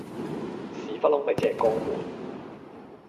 屎忽窿咪即係肛門